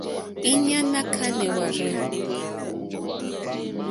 Íɲá hwá kánɛ̀ hwârzɛ̂.